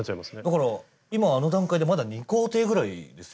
だから今あの段階でまだ２工程ぐらいですよね。